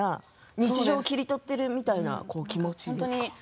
日常を切り取っているみたいな気持ちですか？